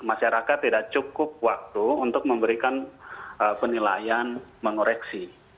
masyarakat tidak cukup waktu untuk memberikan penilaian mengoreksi